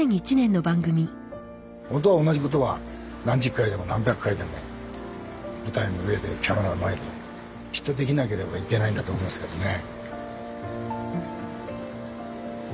本当は同じことは何十回でも何百回でも舞台の上でキャメラの前できっとできなければいけないんだと思うんですけどね。